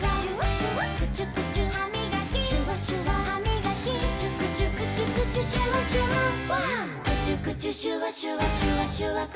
はい。